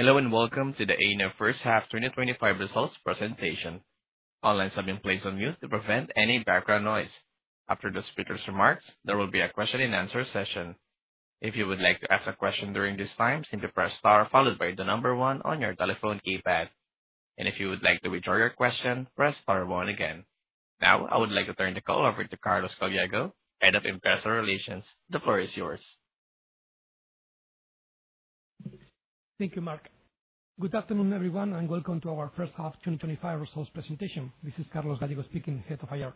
Hello and welcome to the Aena First Half 2025 Results Presentation. All lines have been placed on mute to prevent any background noise. After the speaker's remarks, there will be a question-and-answer session. If you would like to ask a question during this time, simply press star followed by the number one on your telephone keypad. If you would like to withdraw your question, press star one again. Now, I would like to turn the call over to Carlos Gallego, Head of Investor Relations. The floor is yours. Thank you, Mark. Good afternoon, everyone, and welcome to our First Half 2025 Results Presentation. This is Carlos Gallego speaking, Head of IR.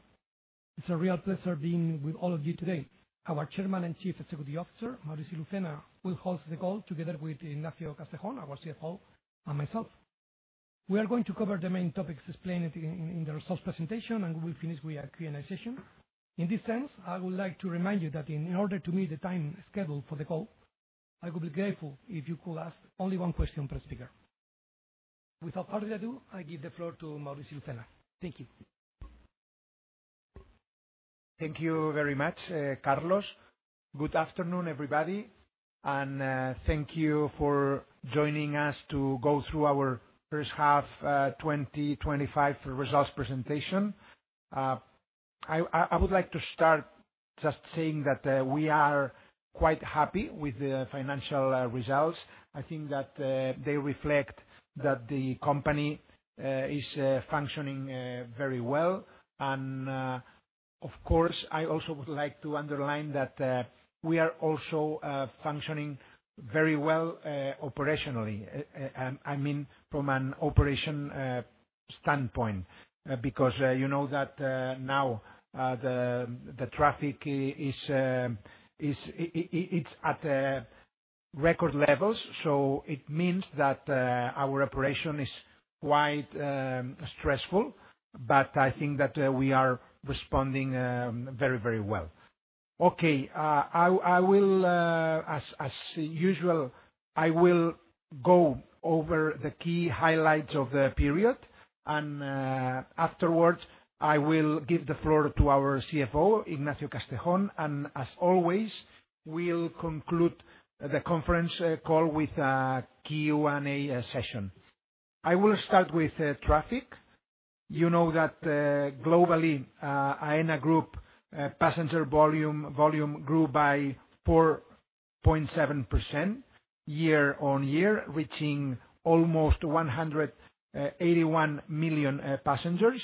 It's a real pleasure being with all of you today. Our Chairman and Chief Executive Officer, Maurici Lucena, will host the call together with Ignacio Castejón, our CFO, and myself. We are going to cover the main topics explained in the results presentation, and we will finish with a Q&A session. In this sense, I would like to remind you that in order to meet the time scheduled for the call, I would be grateful if you could ask only one question per speaker. Without further ado, I give the floor to Maurici Lucena. Thank you. Thank you very much, Carlos. Good afternoon, everybody. And thank you for joining us to go through our First Half 2025 Results Presentation. I would like to start just saying that we are quite happy with the financial results. I think that they reflect that the company is functioning very well. And of course, I also would like to underline that we are also functioning very well operationally, I mean, from an operation standpoint, because you know that now the traffic is at record levels. It means that our operation is quite stressful, but I think that we are responding very, very well. Okay. As usual, I will go over the key highlights of the period. Afterwards, I will give the floor to our CFO, Ignacio Castejón, and as always, we'll conclude the conference call with a Q&A session. I will start with traffic. You know that globally, Aena Group's passenger volume grew by 4.7% year-on-year, reaching almost 181 million passengers.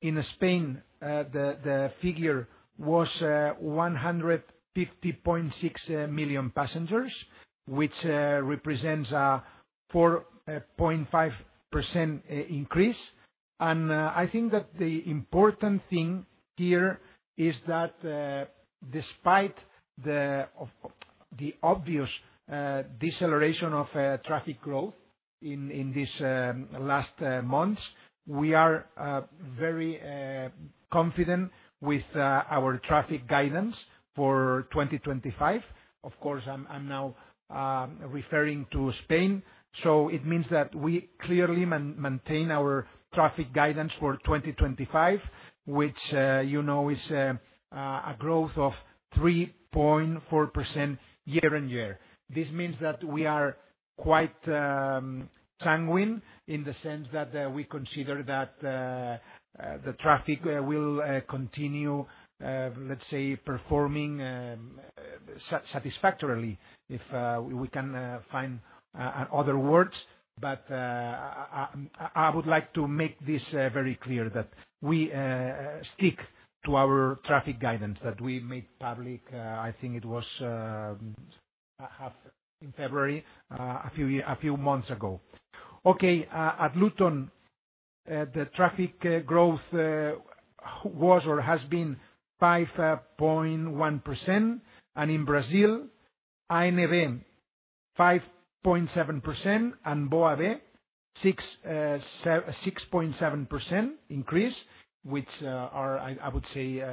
In Spain, the figure was 150.6 million passengers, which represents a 4.5% increase. I think that the important thing here is that, despite the obvious deceleration of traffic growth in these last months, we are very confident with our traffic guidance for 2025. Of course, I'm now referring to Spain. It means that we clearly maintain our traffic guidance for 2025, which is a growth of 3.4% year-on-year. This means that we are quite sanguine in the sense that we consider that the traffic will continue, let's say, performing satisfactorily, if we can find other words. I would like to make this very clear that we stick to our traffic guidance that we made public, I think it was in February, a few months ago. Okay. At Luton, the traffic growth was or has been 5.1%. In Brazil, ANB, 5.7%, and BOAB, 6.7% increase, which are, I would say,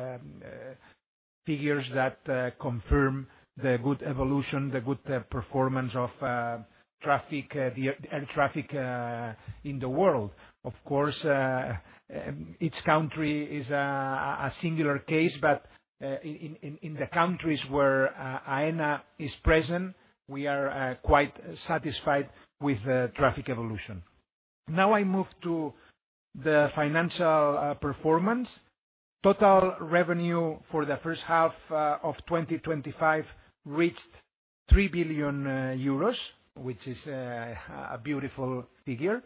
figures that confirm the good evolution, the good performance of traffic in the world. Of course, each country is a singular case, but in the countries where Aena is present, we are quite satisfied with the traffic evolution. Now I move to the financial performance. Total revenue for the first half of 2025 reached 3 billion euros, which is a beautiful figure.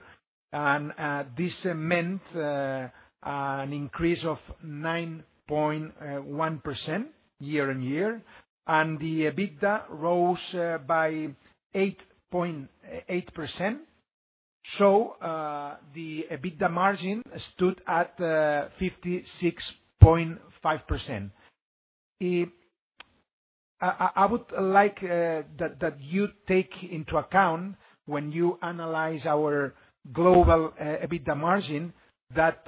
This meant an increase of 9.1% year-on-year. The EBITDA rose by 8.8%. The EBITDA margin stood at 56.5%. I would like that you take into account when you analyze our global EBITDA margin that,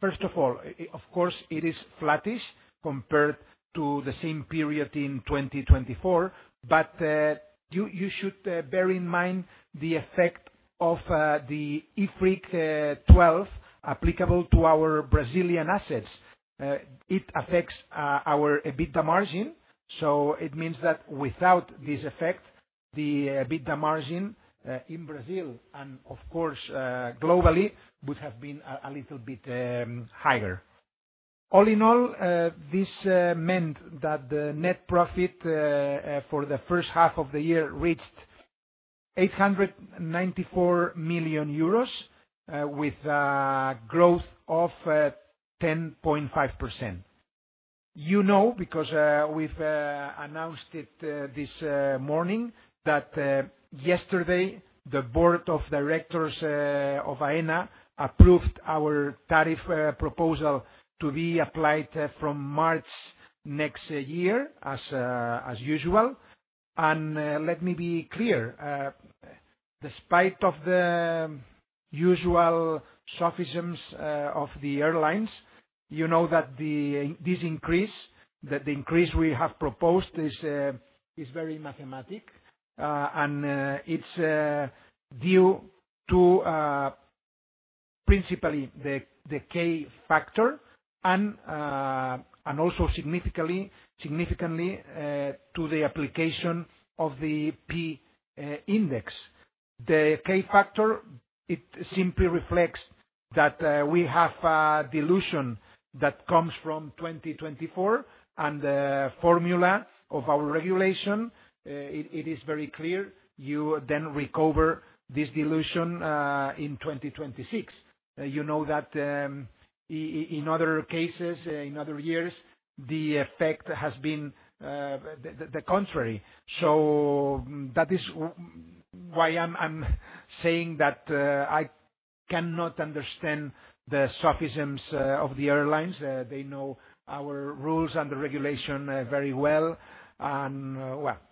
first of all, of course, it is flattish compared to the same period in 2024. But. You should bear in mind the effect of the IFRIC 12 applicable to our Brazilian assets. It affects our EBITDA margin. It means that without this effect, the EBITDA margin in Brazil and, of course, globally would have been a little bit higher. All in all, this meant that the net profit for the first half of the year reached 894 million euros, with a growth of 10.5%. You know, because we've announced it this morning, that yesterday, the Board of Directors of Aena approved our tariff proposal to be applied from March next year, as usual. Let me be clear. Despite the usual sophisms of the airlines, you know that this increase, the increase we have proposed, is very mathematic. It's due to principally the K factor and also significantly to the application of the P index. The K factor, it simply reflects that we have a dilution that comes from 2024, and the formula of our regulation, it is very clear. You then recover this dilution in 2026. You know that in other cases, in other years, the effect has been the contrary. That is why I'm saying that I cannot understand the sophisms of the airlines. They know our rules and the regulation very well.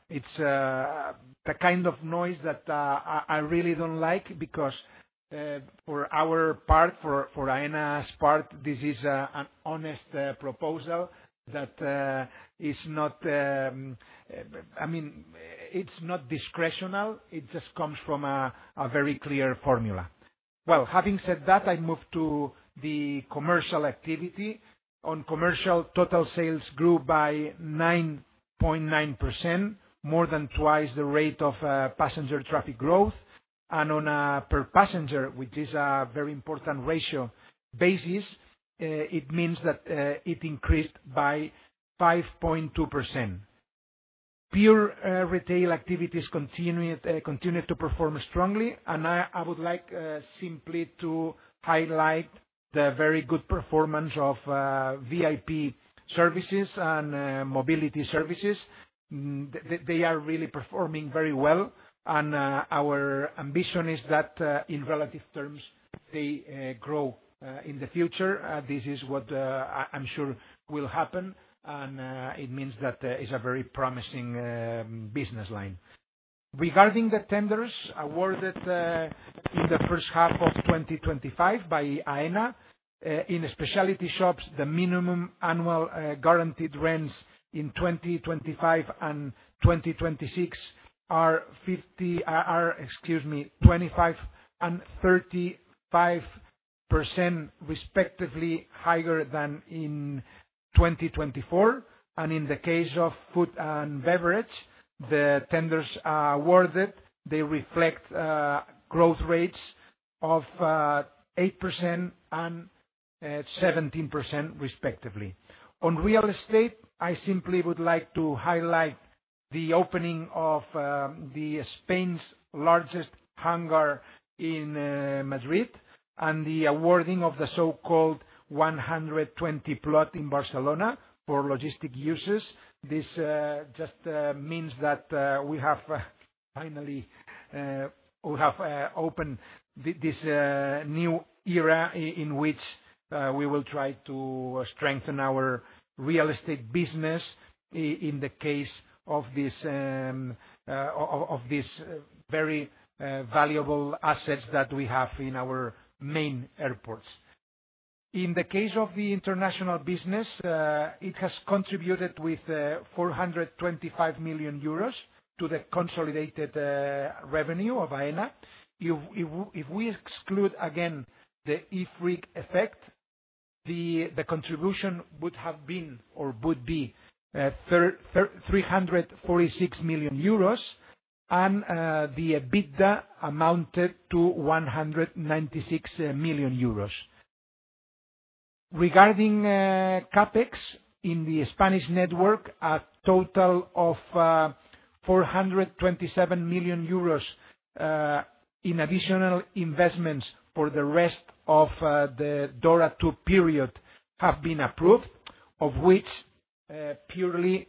It's the kind of noise that I really don't like because for our part, for Aena's part, this is an honest proposal that is not, I mean, it's not discretional. It just comes from a very clear formula. Having said that, I move to the commercial activity. On commercial, total sales grew by 9.9%, more than twice the rate of passenger traffic growth. On a per passenger, which is a very important ratio basis, it means that it increased by 5.2%. Pure retail activities continued to perform strongly. I would like simply to highlight the very good performance of VIP services and mobility services. They are really performing very well, and our ambition is that in relative terms, they grow in the future. This is what I'm sure will happen, and it means that it's a very promising business line. Regarding the tenders awarded in the first half of 2025 by Aena, in specialty shops, the minimum annual guaranteed rents in 2025 and 2026 are 25% and 35% respectively higher than in 2024. In the case of food and beverage, the tenders awarded reflect growth rates of 8% and 17% respectively. On real estate, I simply would like to highlight the opening of Spain's largest hangar in Madrid and the awarding of the so-called 120 plot in Barcelona for logistic uses. This just means that we have finally opened this new era in which we will try to strengthen our real estate business. In the case of this very valuable assets that we have in our main airports. In the case of the international business, it has contributed with 425 million euros to the consolidated revenue of Aena. If we exclude, again, the IFRIC effect, the contribution would have been or would be 346 million euros. And the EBITDA amounted to 196 million euros. Regarding CapEx in the Spanish network, a total of 427 million euros in additional investments for the rest of the DORA II period have been approved, of which purely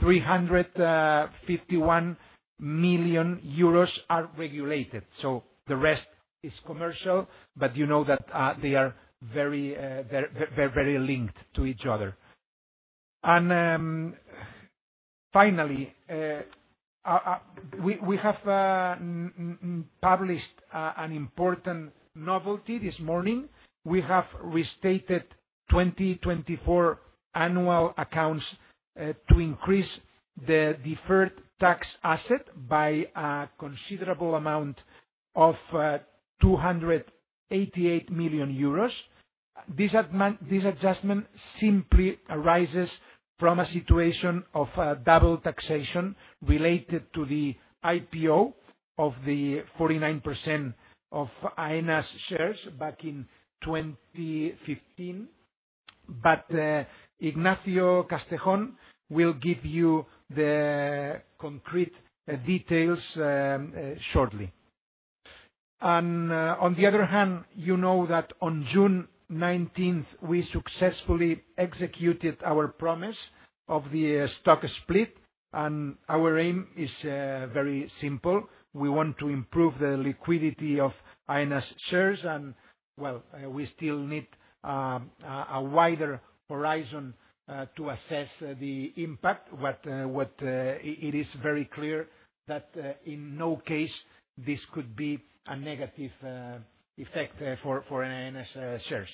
351 million euros are regulated. The rest is commercial, but you know that they are very linked to each other. Finally, we have published an important novelty this morning. We have restated 2024 annual accounts to increase the deferred tax asset by a considerable amount of 288 million euros. This adjustment simply arises from a situation of double taxation related to the IPO of the 49% of Aena's shares back in 2015. Ignacio Castejón will give you the concrete details shortly. On the other hand, you know that on June 19th, we successfully executed our promise of the stock split. Our aim is very simple. We want to improve the liquidity of Aena's shares. We still need a wider horizon to assess the impact, but it is very clear that in no case this could be a negative effect for Aena's shares.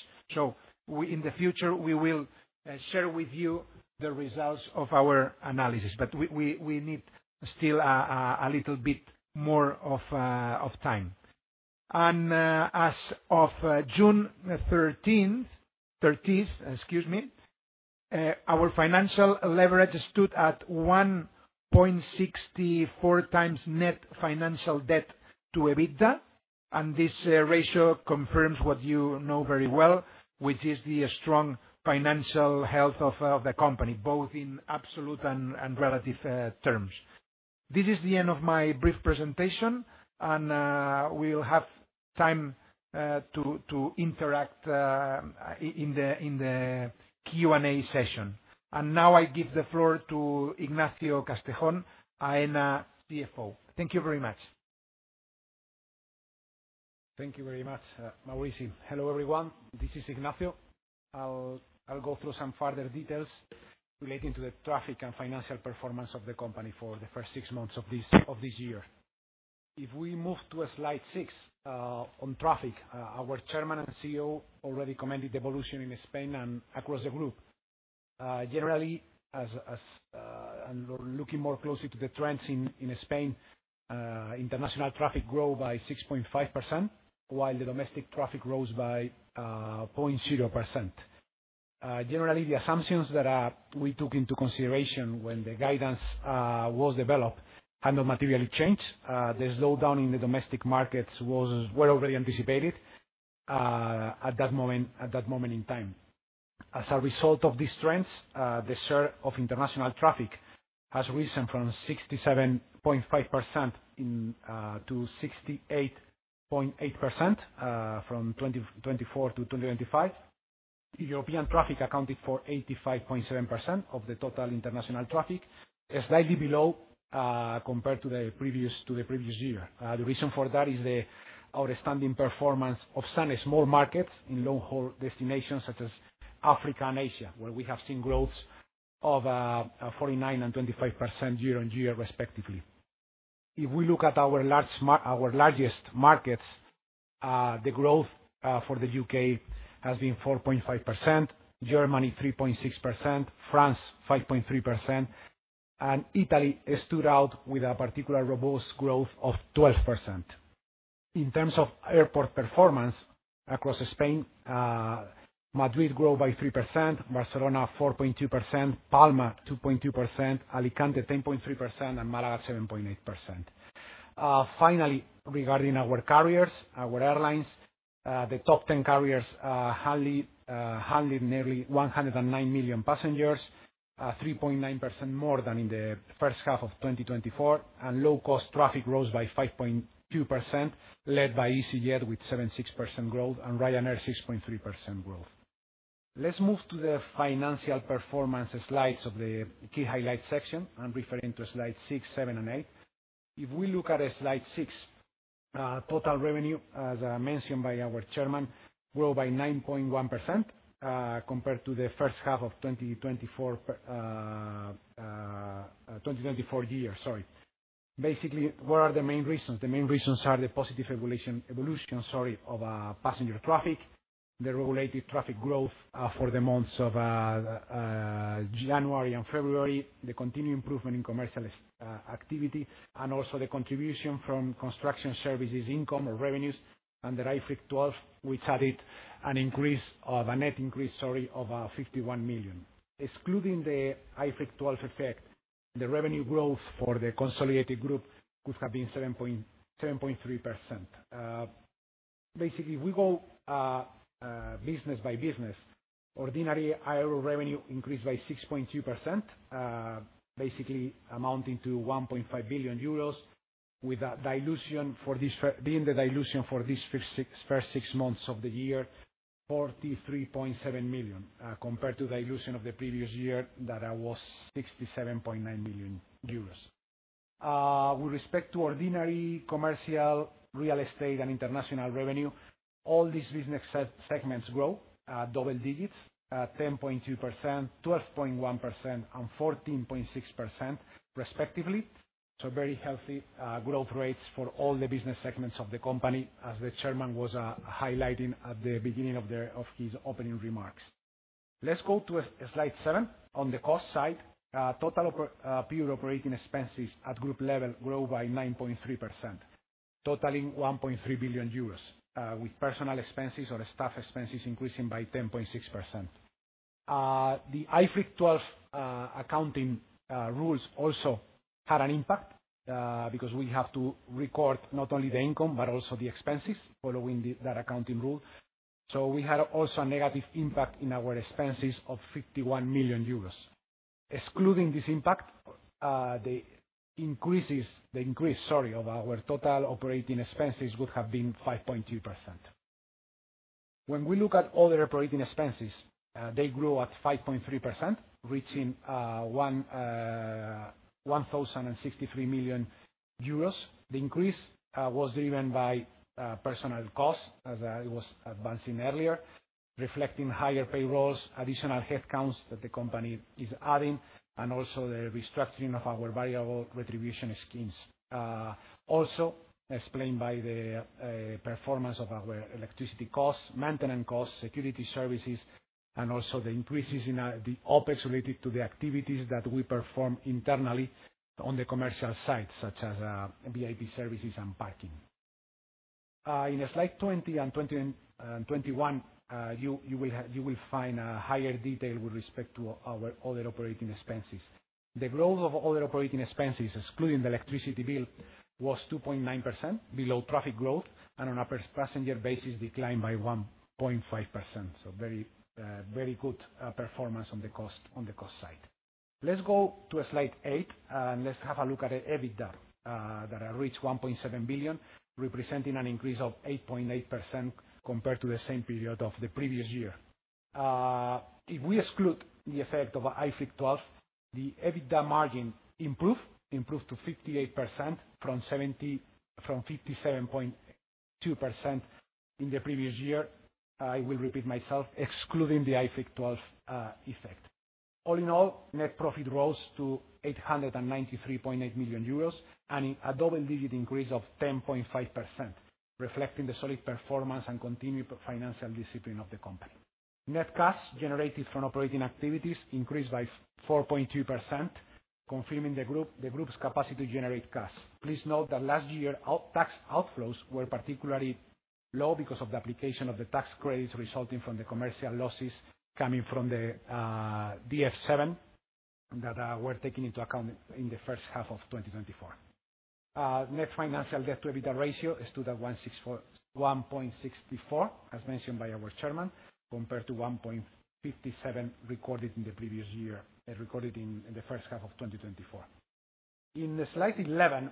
In the future, we will share with you the results of our analysis. We need still a little bit more of time. As of June 30th, excuse me, our financial leverage stood at 1.64x net financial debt to EBITDA. This ratio confirms what you know very well, which is the strong financial health of the company, both in absolute and relative terms. This is the end of my brief presentation. We will have time to interact in the Q&A session. Now I give the floor to Ignacio Castejón, Aena CFO. Thank you very much. Thank you very much, Maurici. Hello, everyone. This is Ignacio. I'll go through some further details relating to the traffic and financial performance of the company for the first six months of this year. If we move to slide six. On traffic, our Chairman and CEO already commented the evolution in Spain and across the group generally. Looking more closely to the trends in Spain, international traffic grew by 6.5%, while the domestic traffic rose by 0.4%. Generally, the assumptions that we took into consideration when the guidance was developed have not materially changed. The slowdown in the domestic markets was well already anticipated at that moment in time. As a result of these trends, the share of international traffic has risen from 67.5% to 68.8% from 2024 to 2025. European traffic accounted for 85.7% of the total international traffic, slightly below compared to the previous year. The reason for that is the outstanding performance of some small markets in long-haul destinations such as Africa and Asia, where we have seen growths of 49% and 25% year-on-year, respectively. If we look at our largest markets, the growth for the U.K. has been 4.5%, Germany 3.6%, France 5.3%, and Italy stood out with a particular robust growth of 12%. In terms of airport performance across Spain, Madrid grew by 3%, Barcelona 4.2%, Palma 2.2%, Alicante 10.3%, and Málaga 7.8%. Finally, regarding our carriers, our airlines, the top 10 carriers handled nearly 109 million passengers, 3.9% more than in the first half of 2024, and low-cost traffic rose by 5.2%, led by easyJet with 7.6% growth and Ryanair 6.3% growth. Let's move to the financial performance slides of the key highlight section and referring to slides six, seven, and eight. If we look at slide six, total revenue, as mentioned by our Chairman, grew by 9.1% compared to the first half of 2024. Year. Sorry. Basically, what are the main reasons? The main reasons are the positive evolution of passenger traffic, the regulated traffic growth for the months of January and February, the continued improvement in commercial activity, and also the contribution from construction services income or revenues, and the IFRIC 12, which added an increase of a net increase of 51 million. Excluding the IFRIC 12 effect, the revenue growth for the consolidated group could have been 7.3%. Basically, if we go business by business, ordinary aerial revenue increased by 6.2%, basically amounting to 1.5 billion euros, with the dilution for this being the dilution for these first six months of the year, 43.7 million compared to the dilution of the previous year that was 67.9 million euros. With respect to ordinary commercial, real estate, and international revenue, all these business segments grow double-digits, 10.2%, 12.1%, and 14.6%, respectively. Very healthy growth rates for all the business segments of the company, as the Chairman was highlighting at the beginning of his opening remarks. Let's go to slide seven. On the cost side, total pure operating expenses at group level grew by 9.3%, totaling 1.3 billion euros, with personnel expenses or staff expenses increasing by 10.6%. The IFRIC 12 accounting rules also had an impact because we have to record not only the income but also the expenses following that accounting rule. We had also a negative impact in our expenses of 51 million euros. Excluding this impact, the increase of our total operating expenses would have been 5.2%. When we look at other operating expenses, they grew at 5.3%, reaching 1,063 million euros. The increase was driven by personnel costs, as I was advancing earlier, reflecting higher payrolls, additional headcounts that the company is adding, and also the restructuring of our variable retribution schemes. Also explained by the performance of our electricity costs, maintenance costs, security services, and also the increases in the OpEx related to the activities that we perform internally on the commercial side, such as VIP services and parking. In slide 20 and 21, you will find higher detail with respect to our other operating expenses. The growth of other operating expenses, excluding the electricity bill, was 2.9%, below traffic growth, and on a per passenger basis, declined by 1.5%. Very good performance on the cost side. Let's go to slide eight, and let's have a look at EBITDA that reached 1.7 billion, representing an increase of 8.8% compared to the same period of the previous year. If we exclude the effect of IFRIC 12, the EBITDA margin improved to 58% from 57.2% in the previous year. I will repeat myself, excluding the IFRIC 12 effect. All in all, net profit rose to 893.8 million euros and a double-digit increase of 10.5%, reflecting the solid performance and continued financial discipline of the company. Net cash generated from operating activities increased by 4.2%, confirming the group's capacity to generate cash. Please note that last year, tax outflows were particularly low because of the application of the tax credits resulting from the commercial losses coming from the DF7 that were taken into account in the first half of 2024. Net financial debt to EBITDA ratio stood at 1.64, as mentioned by our Chairman, compared to 1.57 recorded in the previous year, recorded in the first half of 2024. In slide 11.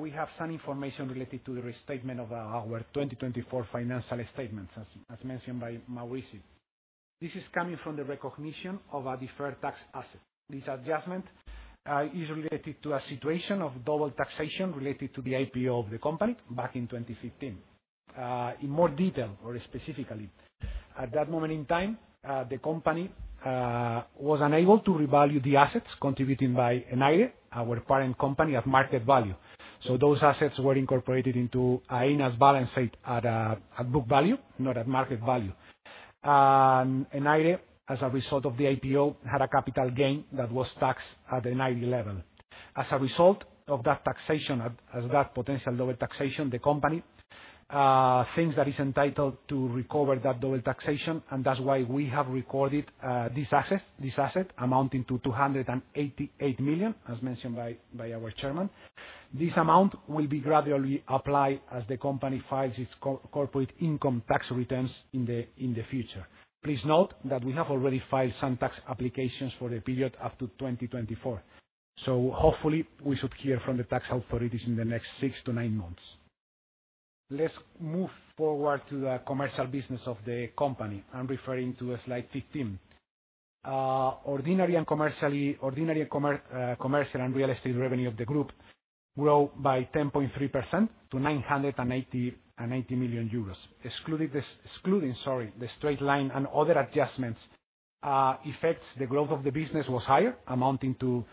We have some information related to the restatement of our 2024 financial statements, as mentioned by Maurici. This is coming from the recognition of a deferred tax asset. This adjustment is related to a situation of double taxation related to the IPO of the company back in 2015. In more detail or specifically, at that moment in time, the company was unable to revalue the assets contributed by ENAIRE, our parent company, at market value. So those assets were incorporated into Aena's balance sheet at book value, not at market value. And ENAIRE, as a result of the IPO, had a capital gain that was taxed at ENAIRE level. As a result of that taxation, as that potential double taxation, the company thinks that it's entitled to recover that double taxation. That's why we have recorded this asset amounting to 288 million, as mentioned by our chairman. This amount will be gradually applied as the company files its corporate income tax returns in the future. Please note that we have already filed some tax applications for the period up to 2024. Hopefully, we should hear from the tax authorities in the next six to nine months. Let's move forward to the commercial business of the company. I'm referring to slide 15. Ordinary and commercial and real estate revenue of the group grew by 10.3% to 980 million euros. Excluding the straight line and other adjustments effects, the growth of the business was higher, amounting to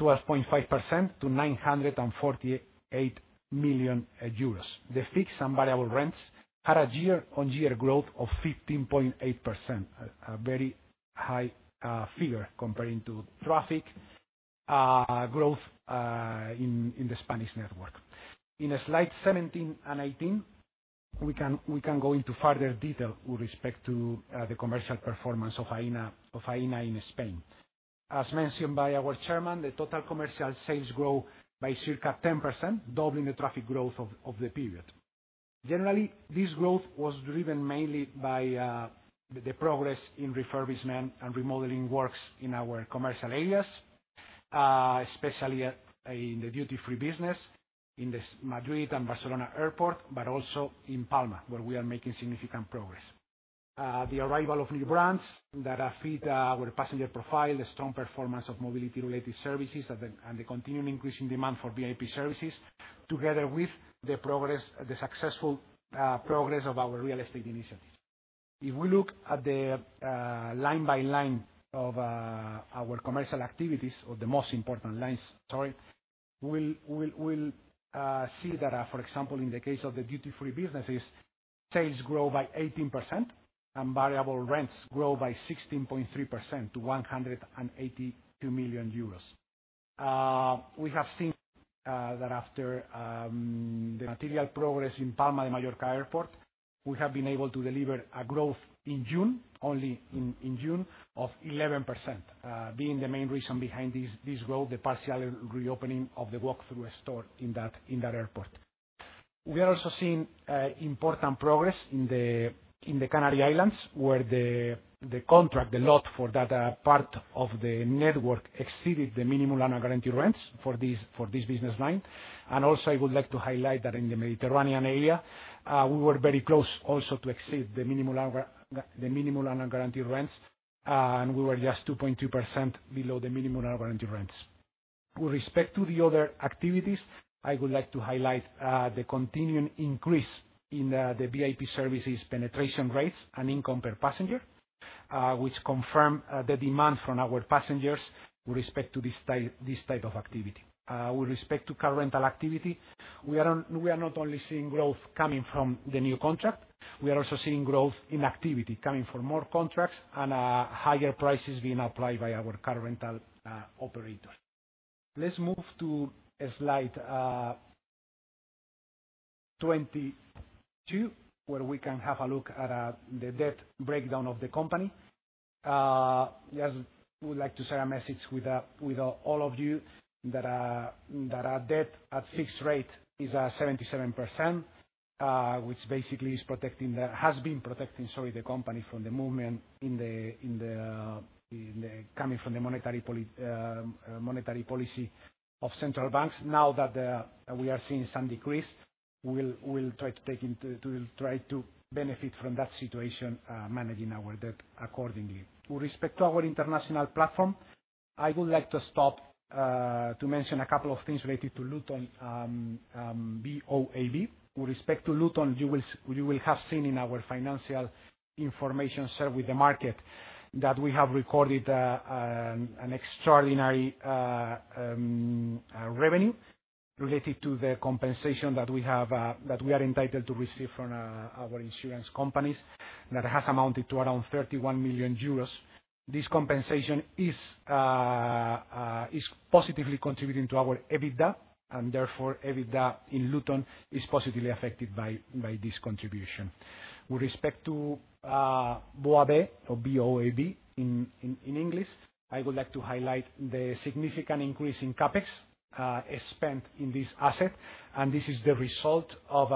12.5% to 948 million euros. The fixed and variable rents had a year-on-year growth of 15.8%, a very high figure comparing to traffic growth in the Spanish network. In slides 17 and 18, we can go into further detail with respect to the commercial performance of Aena in Spain. As mentioned by our chairman, the total commercial sales grew by circa 10%, doubling the traffic growth of the period. Generally, this growth was driven mainly by the progress in refurbishment and remodeling works in our commercial areas, especially in the duty-free business in the Madrid and Barcelona airport, but also in Palma, where we are making significant progress. The arrival of new brands that feed our passenger profile, the strong performance of mobility-related services, and the continuing increase in demand for VIP services, together with the successful progress of our real estate initiative. If we look at the line by line of our commercial activities, or the most important lines, sorry. We'll. See that, for example, in the case of the duty-free businesses, sales grew by 18% and variable rents grew by 16.3% to 182 million euros. We have seen that after the material progress in Palma de Mallorca Airport, we have been able to deliver a growth in June, only in June, of 11%, being the main reason behind this growth, the partial reopening of the walk-through store in that airport. We are also seeing important progress in the Canary Islands, where the contract, the lot for that part of the network, exceeded the minimum land guarantee rents for this business line. Also, I would like to highlight that in the Mediterranean area, we were very close also to exceed the minimum land guarantee rents, and we were just 2.2% below the minimum land guarantee rents. With respect to the other activities, I would like to highlight the continuing increase in the VIP services penetration rates and income per passenger, which confirmed the demand from our passengers with respect to this type of activity. With respect to car rental activity, we are not only seeing growth coming from the new contract. We are also seeing growth in activity coming from more contracts and higher prices being applied by our car rental operators. Let's move to slide 22, where we can have a look at the debt breakdown of the company. I would like to share a message with all of you that our debt at fixed rate is 77%, which basically has been protecting the company from the movement in the, coming from the monetary policy of central banks. Now that we are seeing some decrease, we'll try to benefit from that situation, managing our debt accordingly. With respect to our international platform, I would like to stop to mention a couple of things related to Luton. BOAB. With respect to Luton, you will have seen in our financial information shared with the market that we have recorded an extraordinary revenue related to the compensation that we are entitled to receive from our insurance companies that has amounted to around 31 million euros. This compensation is positively contributing to our EBITDA, and therefore, EBITDA in Luton is positively affected by this contribution. With respect to BOAB, or BOAB in English, I would like to highlight the significant increase in CapEx spent in this asset. And this is the result of.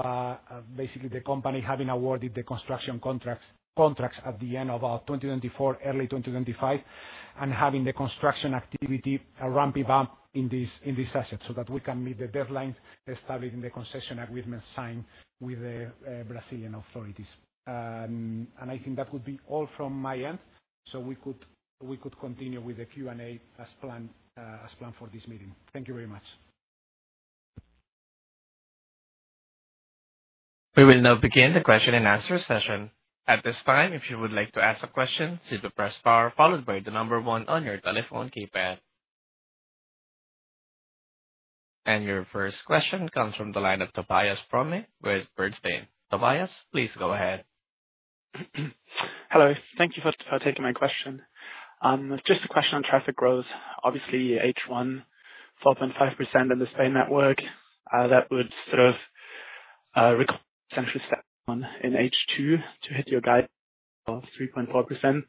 Basically the company having awarded the construction contracts at the end of 2024, early 2025, and having the construction activity ramped up in this asset so that we can meet the deadlines established in the concession agreement signed with the Brazilian authorities. I think that would be all from my end. We could continue with the Q&A as planned for this meeting. Thank you very much. We will now begin the question and answer session. At this time, if you would like to ask a question, please press star followed by the number one on your telephone keypad. Your first question comes from the line of Tobias Fromme with Bernstein. Tobias, please go ahead. Hello. Thank you for taking my question. Just a question on traffic growth. Obviously, H1, 4.5% in the Spain network. That would sort of require potentially stepping on in H2 to hit your guide of 3.4%.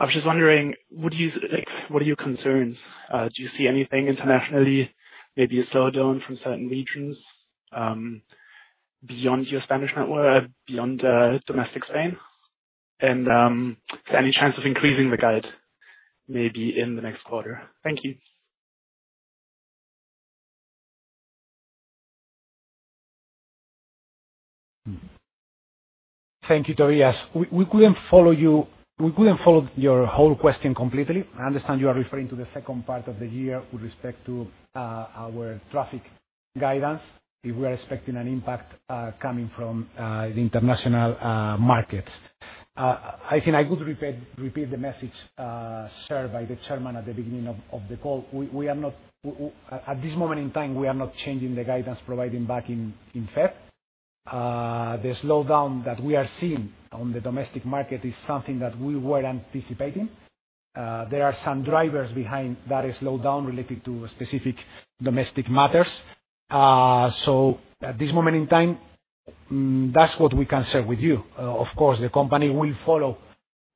I was just wondering, what are your concerns? Do you see anything internationally, maybe a slowdown from certain regions beyond your Spanish network, beyond domestic Spain? Any chance of increasing the guide maybe in the next quarter? Thank you. Thank you, Tobias. We could not follow your whole question completely. I understand you are referring to the second part of the year with respect to our traffic guidance, if we are expecting an impact coming from the international markets. I think I could repeat the message shared by the chairman at the beginning of the call. At this moment in time, we are not changing the guidance provided back in February. The slowdown that we are seeing on the domestic market is something that we were anticipating. There are some drivers behind that slowdown related to specific domestic matters. At this moment in time, that is what we can share with you. Of course, the company will follow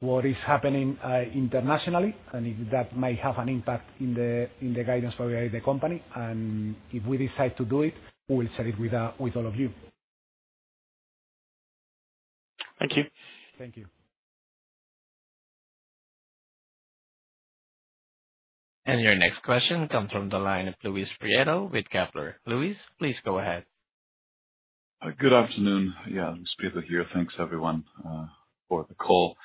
what is happening internationally, and that might have an impact in the guidance for the company. If we decide to do it, we will share it with all of you. Thank you. Thank you. Your next question comes from the line of Luis Prieto with Kepler. Luis, please go ahead. Good afternoon. Yeah, Luis Prieto here. Thanks, everyone, for the call.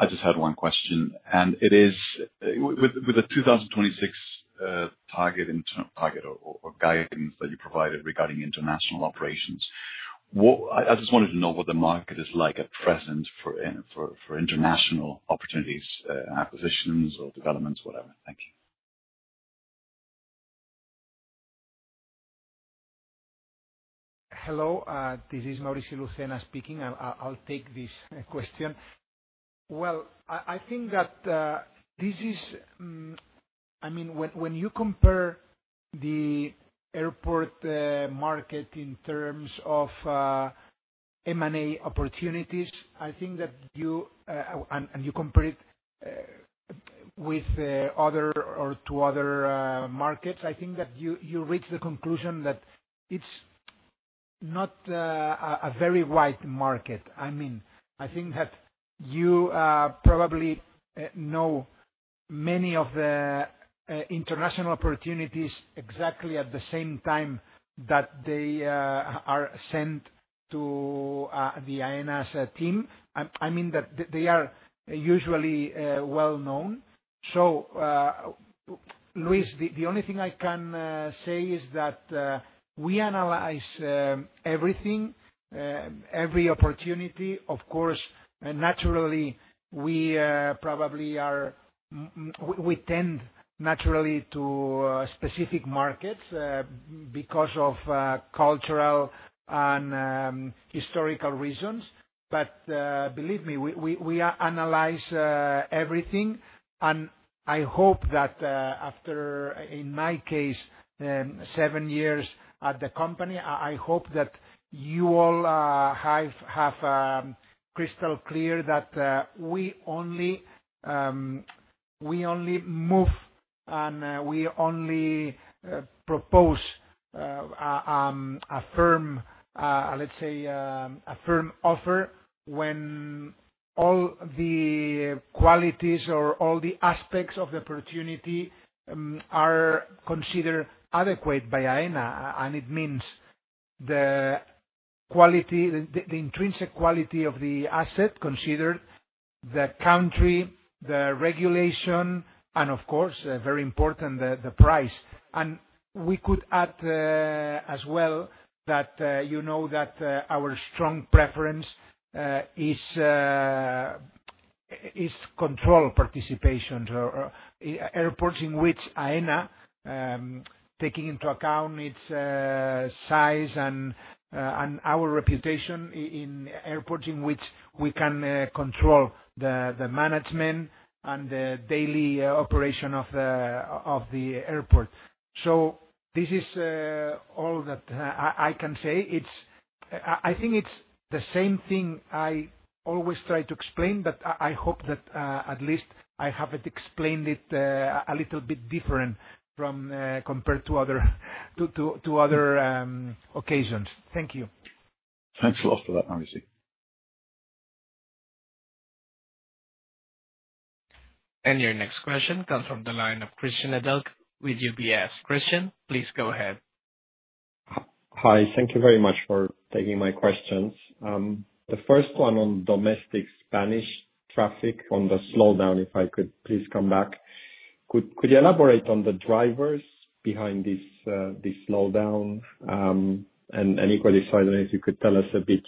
I just had one question. With the 2026 target or guidance that you provided regarding international operations, I just wanted to know what the market is like at present for international opportunities, acquisitions, or developments, whatever. Thank you. Hello. This is Maurici Lucena speaking. I will take this question. I think that this is, I mean, when you compare the airport market in terms of M&A opportunities, I think that you, and you compare it with other or to other markets, I think that you reach the conclusion that it's not a very wide market. I mean, I think that you probably know many of the international opportunities exactly at the same time that they are sent to Aena's team. I mean, they are usually well-known. Luis, the only thing I can say is that we analyze everything, every opportunity. Of course, naturally, we probably are, we tend naturally to specific markets because of cultural and historical reasons. But believe me, we analyze everything. I hope that in my case, seven years at the company, I hope that you all have crystal clear that we only move and we only propose a firm, let's say, a firm offer when all the qualities or all the aspects of the opportunity are considered adequate by Aena. It means the intrinsic quality of the asset, considered the country, the regulation, and of course, very important, the price. We could add as well that you know that our strong preference is control participation, airports in which Aena, taking into account its size and our reputation in airports in which we can control the management and the daily operation of the airport. This is all that I can say. I think it's the same thing I always try to explain, but I hope that at least I have explained it a little bit different compared to other occasions. Thank you. Thanks a lot for that, Maurici. Your next question comes from the line of Cristian Nedelcu with UBS. Cristian, please go ahead. Hi. Thank you very much for taking my questions. The first one on domestic Spanish traffic, on the slowdown, if I could please come back. Could you elaborate on the drivers behind this slowdown? Equally so, if you could tell us a bit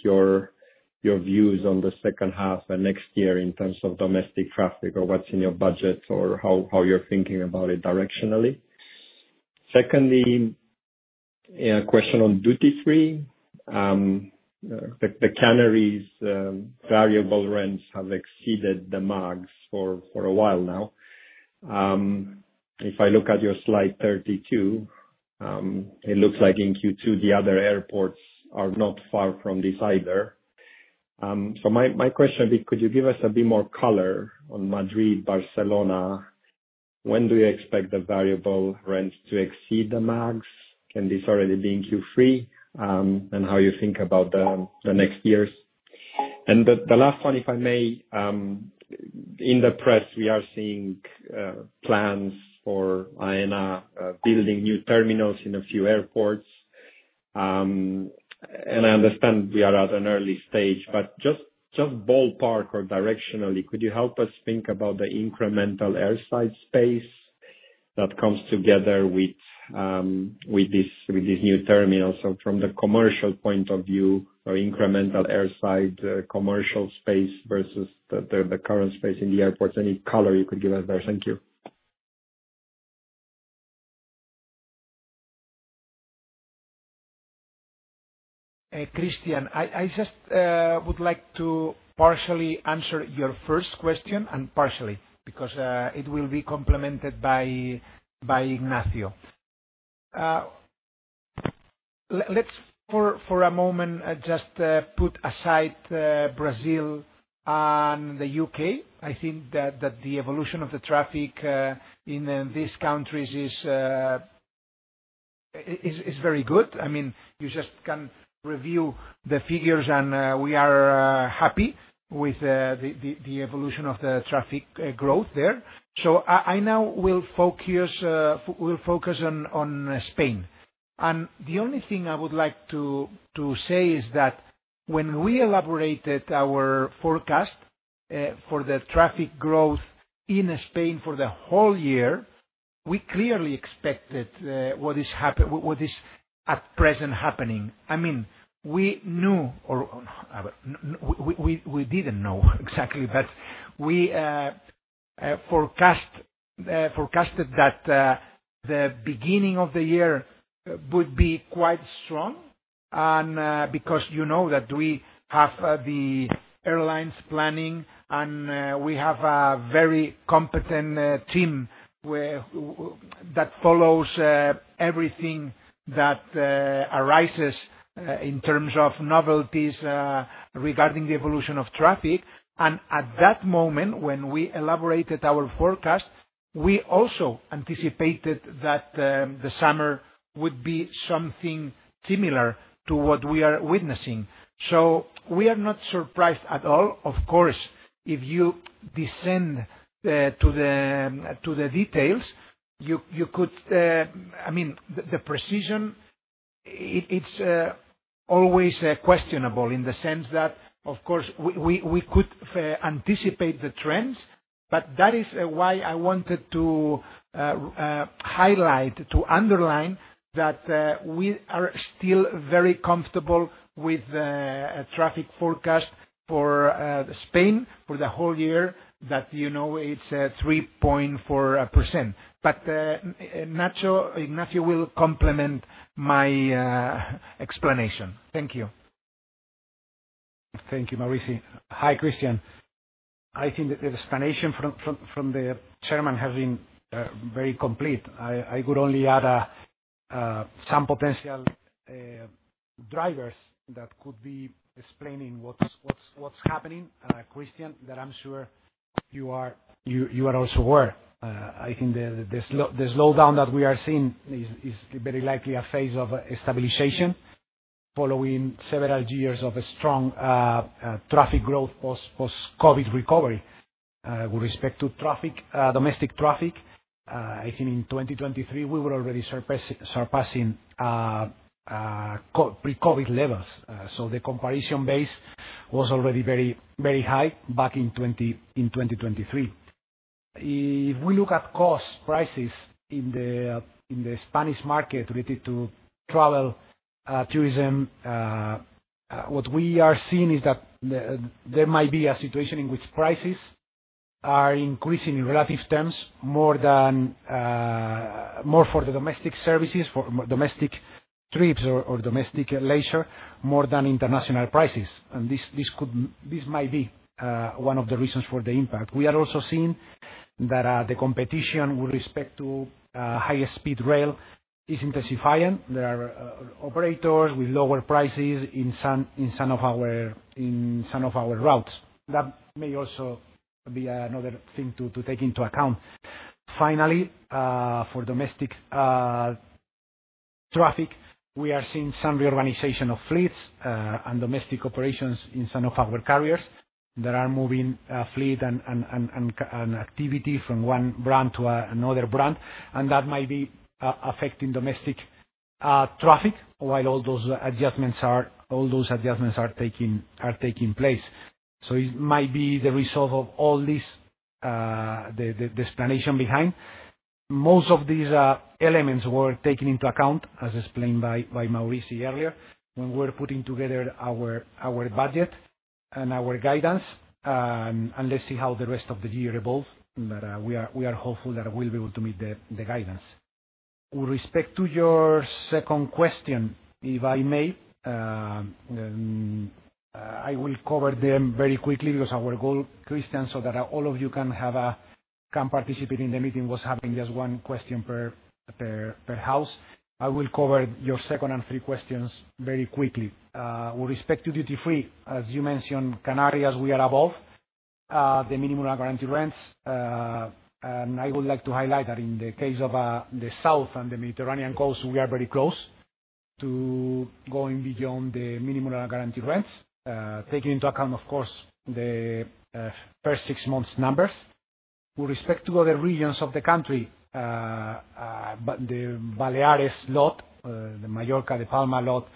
your views on the second half and next year in terms of domestic traffic or what's in your budget or how you're thinking about it directionally. Secondly, a question on duty-free. The Canary's variable rents have exceeded the max for a while now. If I look at your slide 32, it looks like in Q2, the other airports are not far from this either. My question would be, could you give us a bit more color on Madrid, Barcelona? When do you expect the variable rents to exceed the max? Can this already be in Q3? How do you think about the next years? The last one, if I may. In the press, we are seeing plans for Aena building new terminals in a few airports. I understand we are at an early stage, but just ballpark or directionally, could you help us think about the incremental airside space that comes together with this new terminal? From the commercial point of view, incremental airside commercial space versus the current space in the airports, any color you could give us there? Thank you. Cristian, I just would like to partially answer your first question and partially because it will be complemented by Ignacio. Let's, for a moment, just put aside Brazil and the U.K. I think that the evolution of the traffic in these countries is very good. I mean, you just can review the figures, and we are happy with the evolution of the traffic growth there. I now will focus on Spain. The only thing I would like to say is that when we elaborated our forecast for the traffic growth in Spain for the whole year, we clearly expected what is at present happening. I mean, we knew, or we didn't know exactly, but we forecasted that the beginning of the year would be quite strong because you know that we have the airlines planning, and we have a very competent team that follows everything that arises in terms of novelties regarding the evolution of traffic. At that moment, when we elaborated our forecast, we also anticipated that the summer would be something similar to what we are witnessing. We are not surprised at all. Of course, if you descend to the details, you could—I mean, the precision is always questionable in the sense that, of course, we could anticipate the trends, but that is why I wanted to highlight, to underline that we are still very comfortable with the traffic forecast for Spain for the whole year, that it's 3.4%. Ignacio will complement my explanation. Thank you. Thank you, Maurici. Hi, Cristian. I think that the explanation from the Chairman has been very complete. I could only add some potential drivers that could be explaining what's happening, Cristian, that I'm sure you are also aware. I think the slowdown that we are seeing is very likely a phase of stabilization following several years of strong traffic growth post-COVID recovery. With respect to domestic traffic, I think in 2023, we were already surpassing pre-COVID levels. The comparison base was already very high back in 2023. If we look at cost prices in the Spanish market related to travel, tourism. What we are seeing is that there might be a situation in which prices are increasing in relative terms more for the domestic services, for domestic trips or domestic leisure, more than international prices. This might be one of the reasons for the impact. We are also seeing that the competition with respect to high-speed rail is intensifying. There are operators with lower prices in some of our routes. That may also be another thing to take into account. Finally, for domestic traffic, we are seeing some reorganization of fleets and domestic operations in some of our carriers that are moving fleet and activity from one brand to another brand. That might be affecting domestic traffic while all those adjustments are taking place. It might be the result of all this, the explanation behind. Most of these elements were taken into account, as explained by Maurici earlier, when we were putting together our budget and our guidance. Let's see how the rest of the year evolves. We are hopeful that we'll be able to meet the guidance. With respect to your second question, if I may, I will cover them very quickly because our goal, Cristian, so that all of you can participate in the meeting, was having just one question per house. I will cover your second and three questions very quickly. With respect to duty-free, as you mentioned, Canarias, we are above the minimum guaranteed rents. I would like to highlight that in the case of the south and the Mediterranean coast, we are very close to going beyond the minimum guaranteed rents, taking into account, of course, the first six months' numbers. With respect to other regions of the country, the Baleares lot, the Mallorca, the Palma lot,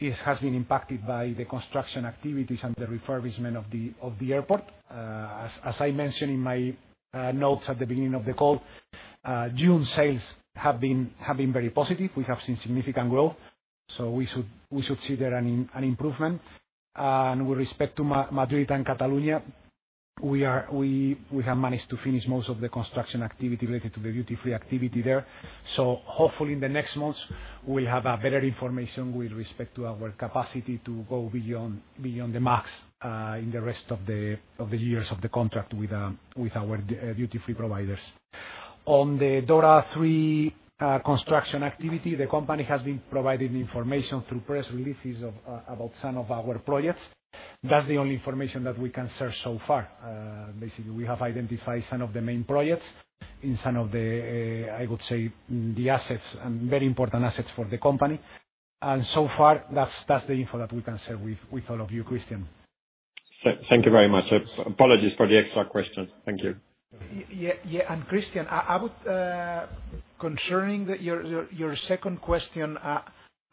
has been impacted by the construction activities and the refurbishment of the airport. As I mentioned in my notes at the beginning of the call, June sales have been very positive. We have seen significant growth. We should see there an improvement. With respect to Madrid and Catalonia, we have managed to finish most of the construction activity related to the duty-free activity there. Hopefully, in the next months, we'll have better information with respect to our capacity to go beyond the max in the rest of the years of the contract with our duty-free providers. On the DORA III construction activity, the company has been providing information through press releases about some of our projects. That's the only information that we can share so far. Basically, we have identified some of the main projects in some of the, I would say, the assets and very important assets for the company. And so far, that is the info that we can share with all of you, Cristian. Thank you very much. Apologies for the extra question. Thank you. Yeah. Cristian, concerning your second question,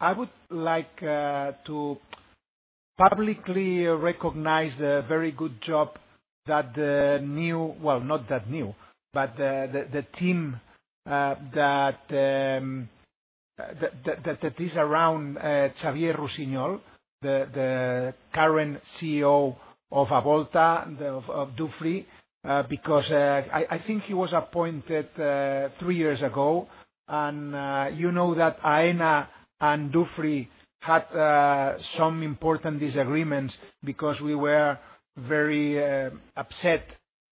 I would like to publicly recognize the very good job that the new, well, not that new, but the team that is around Xavier Rossinyol, the current CEO of Avolta, of Dufry, because I think he was appointed three years ago. You know that Aena and Dufry had some important disagreements because we were very upset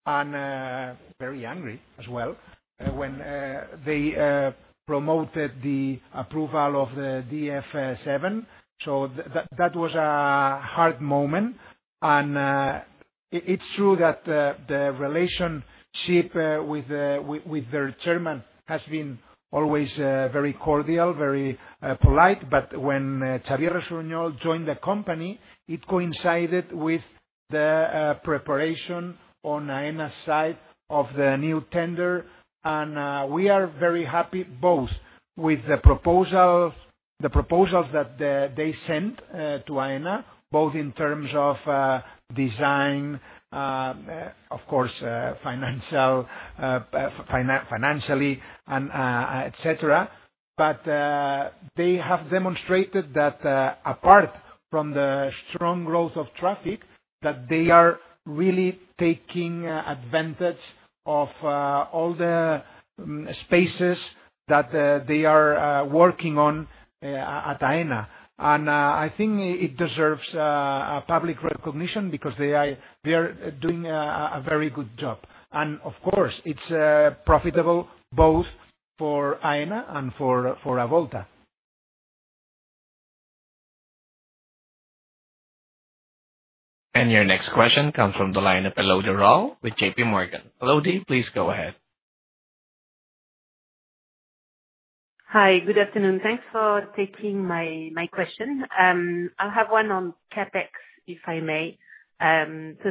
and very angry as well when they promoted the approval of the DF7. That was a hard moment. It is true that the relationship with their chairman has been always very cordial, very polite. When Xavier Rossinyol joined the company, it coincided with the preparation on Aena's side of the new tender. We are very happy both with the proposals that they sent to Aena, both in terms of design, of course, financially, etc. They have demonstrated that apart from the strong growth of traffic, they are really taking advantage of all the spaces that they are working on at Aena. I think it deserves public recognition because they are doing a very good job. Of course, it is profitable both for Aena and for Avolta. Your next question comes from the line of Elodie Rall with JPMorgan. Elodie, please go ahead. Hi. Good afternoon. Thanks for taking my question. I have one on CapEx, if I may.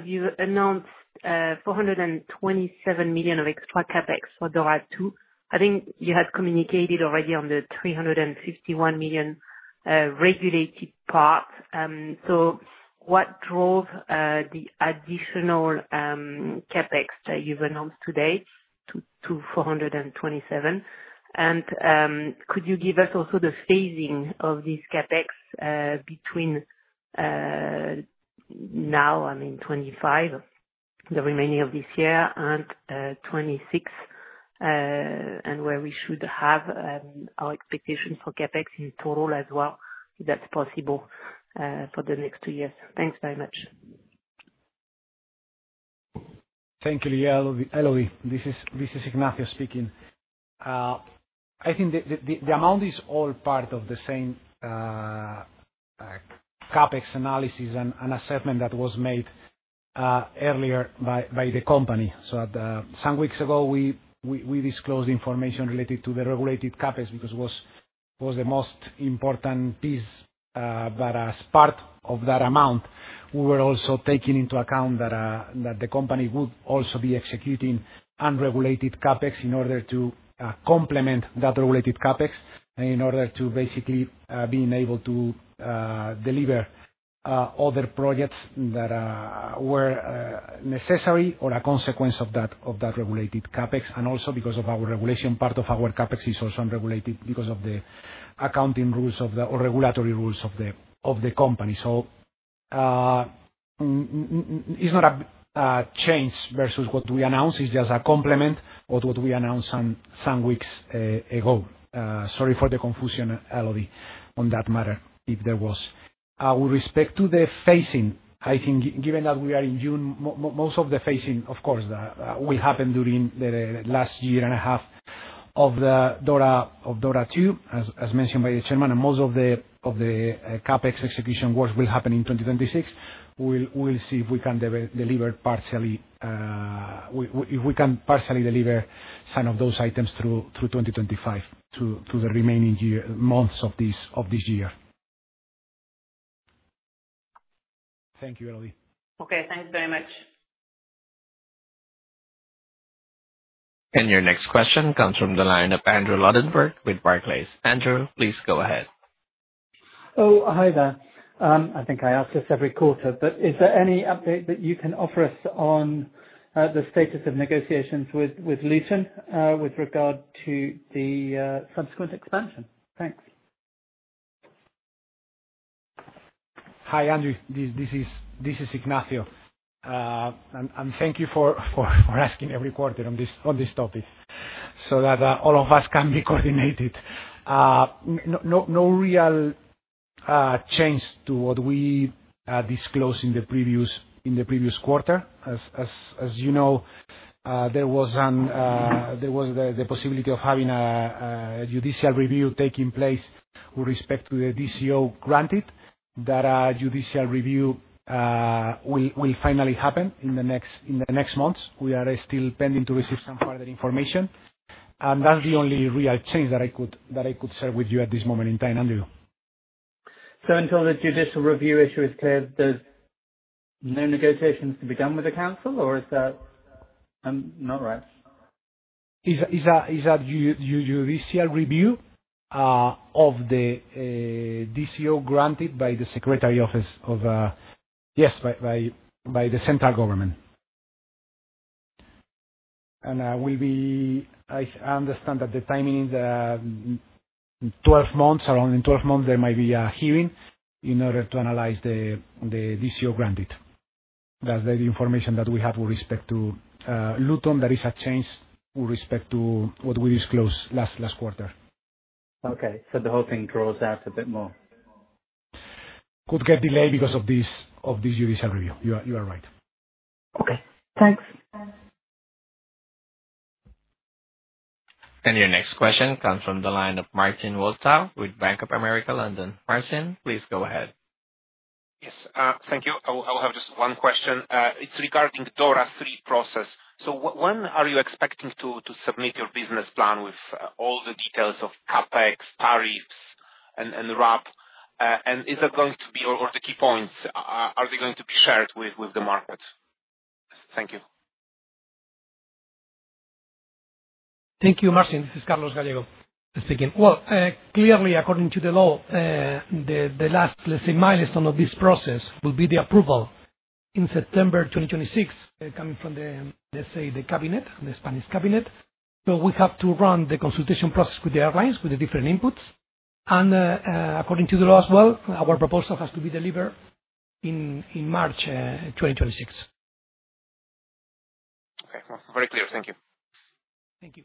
You announced 427 million of extra CapEx for DORA II. I think you had communicated already on the 351 million regulated part. What drove the additional CapEx that you have announced today to 427 million? Could you give us also the phasing of this CapEx between now, I mean, 2025, the remaining of this year, and 2026? Where should we have our expectation for CapEx in total as well if that is possible for the next two years? Thanks very much. Thank you, Elodie. Elodie, this is Ignacio speaking. I think the amount is all part of the same CapEx analysis and assessment that was made earlier by the company. Some weeks ago, we disclosed information related to the regulated CapEx because it was the most important piece. As part of that amount, we were also taking into account that the company would also be executing unregulated CapEx in order to complement that regulated CapEx and in order to basically be able to. Deliver. Other projects that were necessary or a consequence of that regulated CapEx, and also because of our regulation, part of our CapEx is also unregulated because of the accounting rules or regulatory rules of the company. So, it's not a change versus what we announced. It's just a complement of what we announced some weeks ago. Sorry for the confusion, Elodie, on that matter, if there was. With respect to the phasing, I think, given that we are in June, most of the phasing, of course, will happen during the last year and a half of the DORA II, as mentioned by the Chairman. Most of the CapEx execution work will happen in 2026. We'll see if we can deliver partially, if we can partially deliver some of those items through 2025 to the remaining months of this year. Thank you, Elodie. Okay, thanks very much. Your next question comes from the line of Andrew Lobbenberg with Barclays. Andrew, please go ahead. Oh, hi there. I think I ask this every quarter, but is there any update that you can offer us on the status of negotiations with Luton with regard to the subsequent expansion? Thanks. Hi, Andrew. This is Ignacio. Thank you for asking every quarter on this topic so that all of us can be coordinated. No real change to what we disclosed in the previous quarter. As you know, there was the possibility of having a judicial review taking place with respect to the DCO granted, that a judicial review will finally happen in the next months. We are still pending to receive some further information, and that's the only real change that I could share with you at this moment in time, Andrew. Until the judicial review issue is cleared, no negotiations to be done with the council, or is that not right? Is that a judicial review of the DCO granted by the Secretary of—yes, by the central government. I understand that the timing is 12 months. Around 12 months, there might be a hearing in order to analyze the DCO granted. That's the information that we have with respect to Luton. There is a change with respect to what we disclosed last quarter. Okay, so the whole thing draws out a bit more. Could get delayed because of this judicial review. You are right. Okay, thanks. Your next question comes from the line of Marcin Wojtal with Bank of America London. Marcin, please go ahead. Yes, thank you. I will have just one question. It's regarding DORA III process. When are you expecting to submit your business plan with all the details of CapEx, tariffs, and the RAB? Are the key points going to be shared with the market? Thank you. Thank you, Marcin. This is Carlos Gallego speaking. Clearly, according to the law, the last milestone of this process will be the approval in September 2026, coming from the cabinet, the Spanish cabinet. We have to run the consultation process with the airlines, with the different inputs. According to the law as well, our proposal has to be delivered in March 2026. Okay. Very clear. Thank you. Thank you.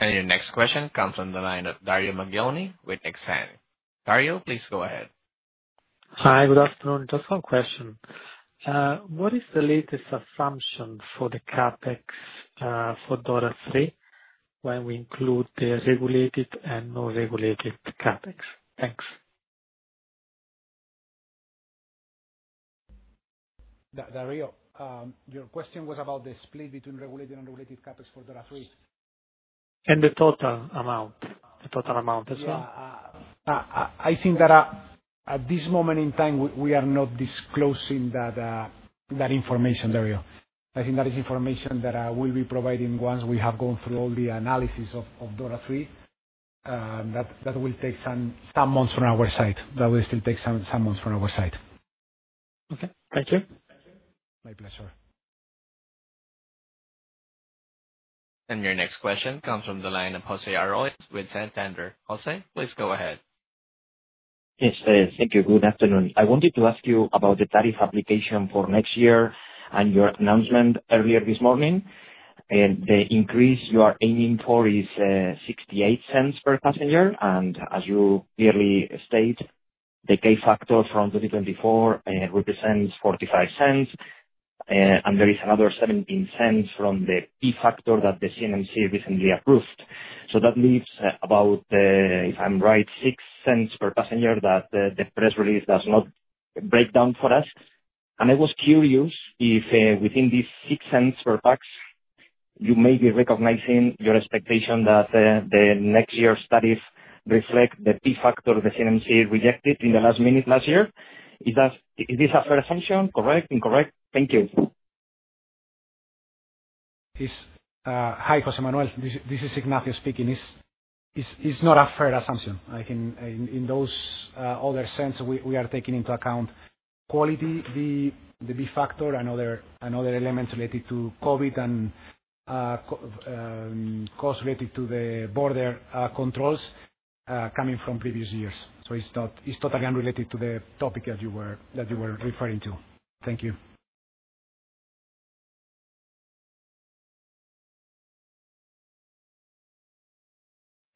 Your next question comes from the line of Dario Maglione with Exane. Dario, please go ahead. Hi. Good afternoon. Just one question. What is the latest assumption for the CapEx for DORA III when we include the regulated and non-regulated CapEx? Thanks. Dario, your question was about the split between regulated and unregulated CapEx for DORA III. And the total amount? The total amount as well? Yeah. I think that at this moment in time, we are not disclosing that information, Dario. I think that is information that we will be providing once we have gone through all the analysis of DORA III. That will take some months from our side. That will still take some months from our side. Okay. Thank you. My pleasure. Your next question comes from the line of José Arroyas with Santander. José, please go ahead. Yes, thank you. Good afternoon. I wanted to ask you about the tariff application for next year and your announcement earlier this morning. The increase you are aiming for is 0.68 per passenger. As you clearly state, the K factor from 2024 represents 0.45. There is another 0.17 from the P factor that the CNMC recently approved. That leaves about, if I am right, 0.06 per passenger that the press release does not break down for us. I was curious if within these 0.06 per passenger, you may be recognizing your expectation that next year's tariff reflects the P factor the CNMC rejected at the last minute last year. Is this a fair assumption? Correct? Incorrect? Thank you. Hi, José Manuel. This is Ignacio speaking. It is not a fair assumption. In those other cents, we are taking into account quality, the B factor, and other elements related to COVID and costs related to the border controls coming from previous years. It is totally unrelated to the topic that you were referring to. Thank you.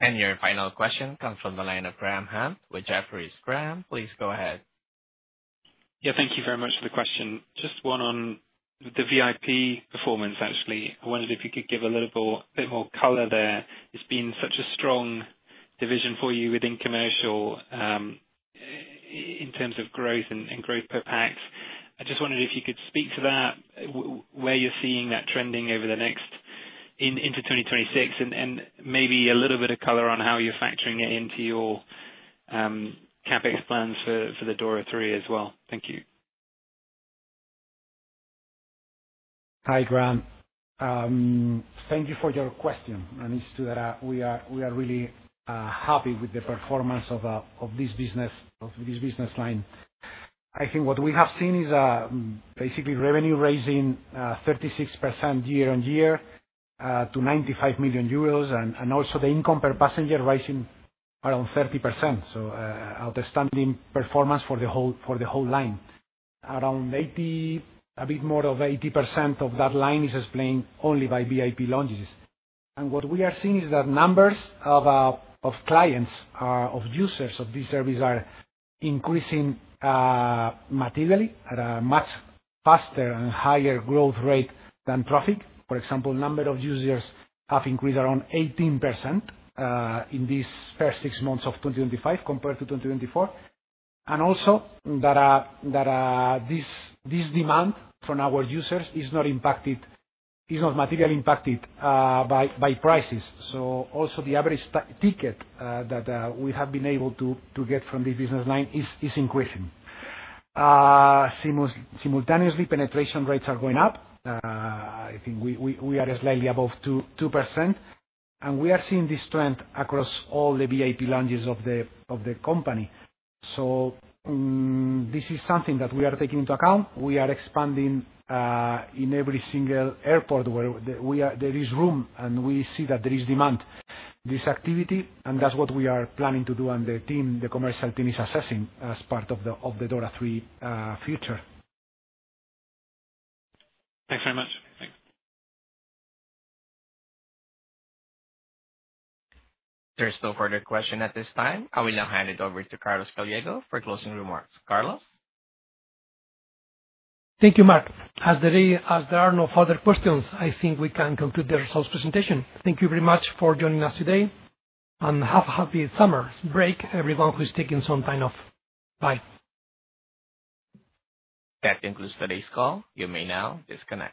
Your final question comes from the line of Graham Hunt with Jefferies. Graham, please go ahead. Yeah. Thank you very much for the question. Just one on the VIP performance, actually. I wondered if you could give a little bit more color there. It has been such a strong division for you within commercial. In terms of growth and growth per pax. I just wondered if you could speak to that. Where you are seeing that trending over the next, into 2026, and maybe a little bit of color on how you are factoring it into your CapEx plans for the DORA III as well. Thank you. Hi, Graham. Thank you for your question. It is true that we are really happy with the performance of this business line. I think what we have seen is basically revenue raising 36% year-on year to 95 million euros, and also the income per passenger rising around 30%. Outstanding performance for the whole line. Around a bit more of 80% of that line is explained only by VIP lounges. What we are seeing is that numbers of clients, of users of this service, are increasing materially at a much faster and higher growth rate than traffic. For example, the number of users has increased around 18% in these first six months of 2025 compared to 2024. Also, this demand from our users is not materially impacted by prices. The average ticket that we have been able to get from this business line is increasing. Simultaneously, penetration rates are going up. I think we are slightly above 2%. We are seeing this trend across all the VIP lounges of the company. This is something that we are taking into account. We are expanding in every single airport where there is room, and we see that there is demand for this activity, and that is what we are planning to do, and the commercial team is assessing as part of the DORA III future. Thanks very much. Thanks. There is no further question at this time. I will now hand it over to Carlos Gallego for closing remarks. Carlos? Thank you, Mark. As there are no further questions, I think we can conclude the results presentation. Thank you very much for joining us today. Have a happy summer break, everyone who is taking some time off. Bye. That concludes today's call. You may now disconnect.